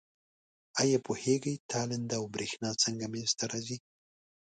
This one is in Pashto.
آیا پوهیږئ تالنده او برېښنا څنګه منځ ته راځي؟